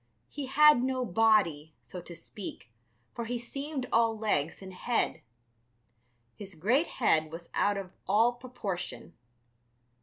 He had no body, so to speak, for he seemed all legs and head. His great head was out of all proportion.